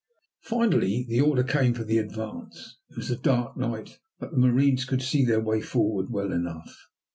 Finally, the order came for the advance. It was a dark night, but the marines could see their way forward well enough.